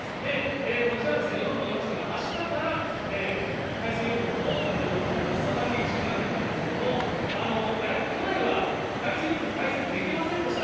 こちら、今も言いましたが、あしたから海水浴場オープンということになります、サザンビーチちがさきなんですけれども、やはり去年は、海水浴場開設できませんでした。